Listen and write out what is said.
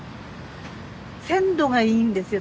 ・鮮度がいいんですよ。